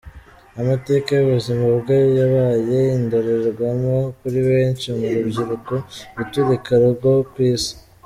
Amateka y’ubuzima bwe, yabaye indorerwamo kuri benshi mu rubyiruko gatulika rwo ku Isi.